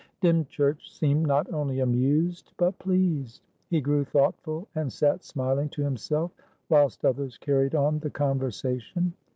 Dymchurch seemed not only amused, but pleased. He grew thoughtful, and sat smiling to himself whilst others carried on the conversation.